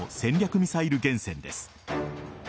ミサイル原潜です。